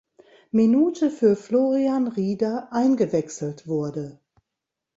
Minute für Florian Rieder eingewechselt wurde.